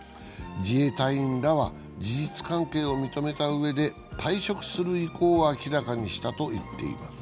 自衛隊員らは、事実関係を認めたうえで退職する意向を明らかにしたといいます。